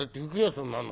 そんなの。